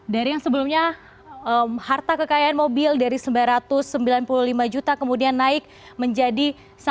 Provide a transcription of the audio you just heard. dari yang sebelumnya harta kekayaan mobil dari sembilan ratus sembilan puluh lima juta kemudian naik menjadi satu